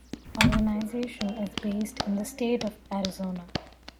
The organization is based in the state of Arizona.